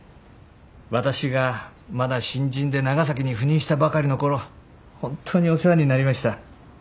私がまだ新人で長崎に赴任したばかりの頃本当にお世話になりました。